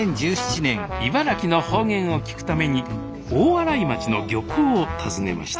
茨城の方言を聞くために大洗町の漁港を訪ねました